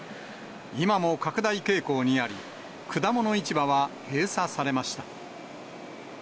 今も拡大傾向にあり、果物市場は閉鎖されました。